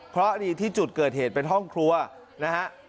เพราะดีที่จุดเกิดเหตุเป็นห้องครัวนะฮะ